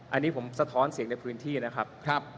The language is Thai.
อันนี้ผมสะท้อนเสียงในพื้นที่นะครับ